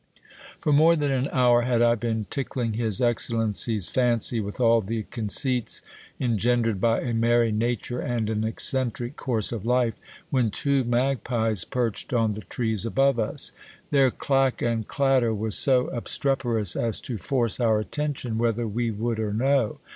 For more than an hour had I been tickling his excellency's fancy with all the conceits, engendered by a merry nature and an eccentric course of life, when two magpies perched on the trees above us. Their clack and clatter was so ob streperous, as to force our attention whether we would or no.